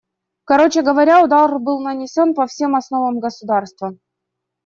Короче говоря, удар был нанесен по всем основам государства.